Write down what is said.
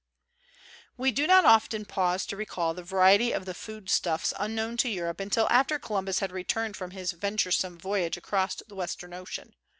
We do not often pause to recall the variety of the foodstuffs unknown to Europe until after Columbus had returned from his venturesome voyage across the Western Ocean.